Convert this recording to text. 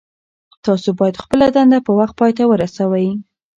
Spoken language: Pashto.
تاسو باید خپله دنده په وخت پای ته ورسوئ.